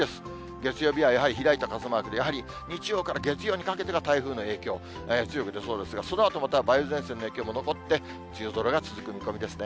月曜日はやはり開いた傘マークで、やはり日曜から月曜にかけてが台風の影響、強く出そうですが、そのあと梅雨前線の影響も強く残って梅雨空が続きそうですね。